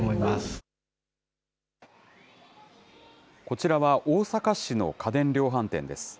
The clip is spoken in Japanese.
こちらは、大阪市の家電量販店です。